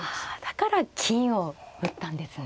だから金を打ったんですね。